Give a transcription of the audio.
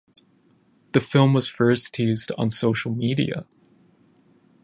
The film was first teased on social media.